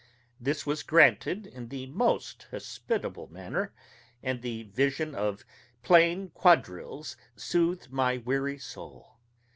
This was granted in the most hospitable manner, and the vision of plain quadrilles soothed my weary soul.